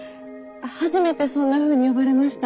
初めてそんなふうに呼ばれました。